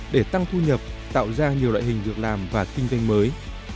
để tăng thu nhập tạo ra nhiều loại hình việc làm và kinh doanh mới